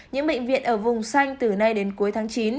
những bệnh viện ở vùng xanh từ nay đến cuối tháng chín